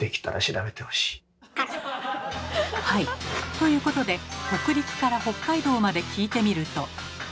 ということで北陸から北海道まで聞いてみると。